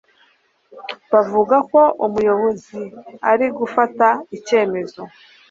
Bavuga ko Umuyobozi ari gufata icyemezo.